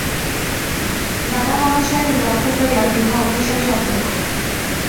দাদা মহাশয়ের দখল লইয়া বিভা অতিশয় সতর্ক।